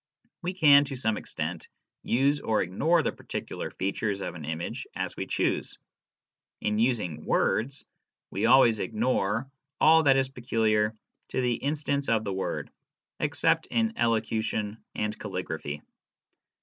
We can, to some extent, use or ignore the particular features of an image as we choose. In using words, we always ignore all that is peculiar to the instance of the word, except in elocution and caligraphy.